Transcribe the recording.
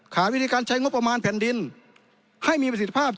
วิธีการใช้งบประมาณแผ่นดินให้มีประสิทธิภาพ